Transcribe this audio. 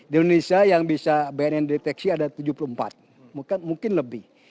di indonesia yang bisa bnn deteksi ada tujuh puluh empat mungkin lebih